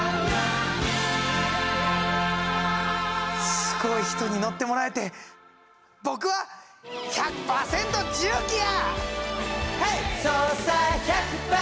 すごい人に乗ってもらえて僕は１００％重機や！